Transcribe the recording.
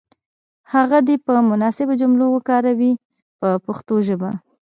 هغه دې په مناسبو جملو کې وکاروي په پښتو ژبه.